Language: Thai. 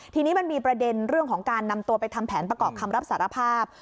ทีนี้มันมีประเด็นเรื่องของการนำตัวไปทำแผนประกอบคำรับสารภาพ